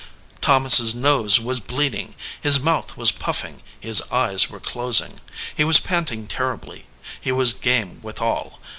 Thomas s nose was bleeding, his mouth was puf fing, his eyes were closing. He was panting ter ribly. He was game withal.